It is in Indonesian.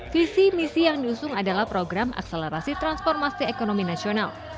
visi misi yang diusung adalah program akselerasi transformasi ekonomi nasional